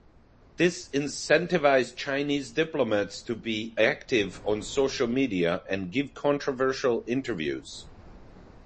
This incentivized Chinese diplomats to be active on social media and give controversial interviews.